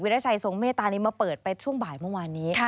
ราชัยทรงเมตตานี้มาเปิดไปช่วงบ่ายเมื่อวานนี้